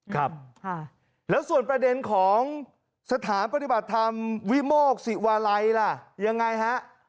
ครับแล้วส่วนประเด็นของสถานปฏิบัติธรรมวิโมกศิวาลัยล่ะยังไงฮะ